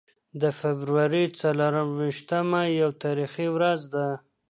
د فبرورۍ څلور ویشتمه یوه تاریخي ورځ ده.